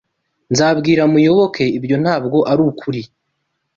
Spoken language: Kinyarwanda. Nzabwira Muyoboke ibyo ntabwo arukuri.